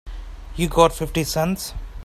You got fifty cents?